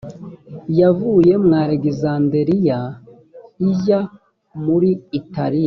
yavuye mu alekizanderiya ijya muri italiya